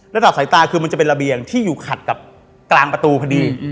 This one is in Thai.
ระดับสายตาคือมันจะเป็นระเบียงที่อยู่ขัดกับกลางประตูพอดี